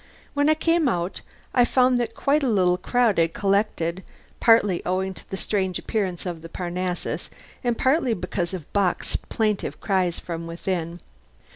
When I came out I found that quite a little crowd had collected, partly owing to the strange appearance of Parnassus and partly because of Bock's plaintive cries from within.